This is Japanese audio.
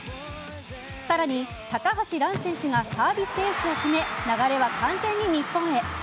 さらに、高橋藍選手がサービスエースを決め流れは完全に日本へ。